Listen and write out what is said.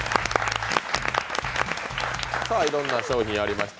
いろんな商品ありました。